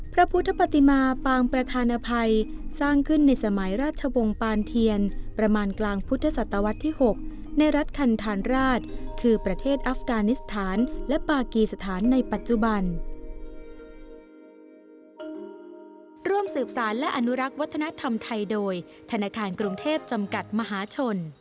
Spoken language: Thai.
พระพุทธปฏิมาปางประธานภัยสร้างขึ้นในสมัยราชวงศ์ปานเทียนประมาณกลางพุทธศตวรรษที่๖ในรัฐคันธานราชคือประเทศอัฟกานิสถานและปากีสถานในปัจจุบัน